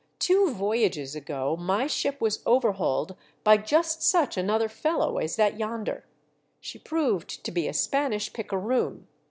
Two voyages ago my ship was overhauled by just such another fellow as that yonder ; she proved to be a Spanish picaroon.